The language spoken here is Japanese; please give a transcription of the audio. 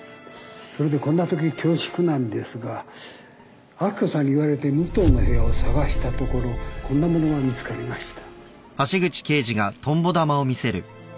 それでこんなとき恐縮なんですが明子さんに言われて武藤の部屋を捜したところこんなものが見つかりました。